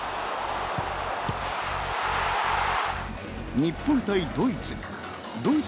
日本対ドイツ。